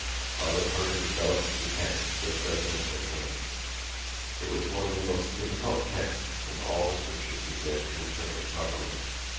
_ Father Purdon developed the text with resonant assurance. It was one of the most difficult texts in all the Scriptures, he said, to interpret properly.